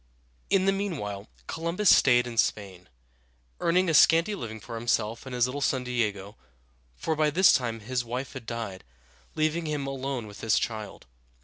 In the meanwhile Columbus staid in Spain, earning a scanty living for himself and his little son Diego (de ā´go); for by this time his wife had died, leaving him alone with this child.